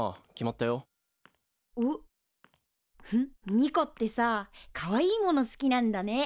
ニコってさかわいいもの好きなんだね。